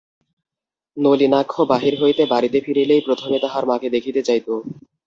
নলিনাক্ষ বাহির হইতে বাড়িতে ফিরিলেই প্রথমে তাহার মাকে দেখিতে যাইত।